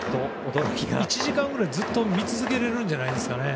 １時間ぐらいずっと見続けられるんじゃないですかね。